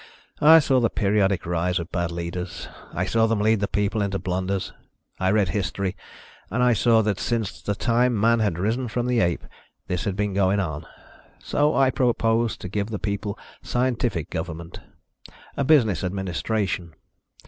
I saw the periodic rise of bad leaders. I saw them lead the people into blunders. I read history and I saw that since the time man had risen from the ape, this had been going on. So I proposed to give the people scientific government ... a business administration.